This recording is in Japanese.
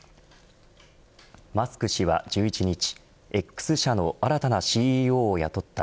マスク氏は１１日Ｘ社の新たなＣＥＯを雇った。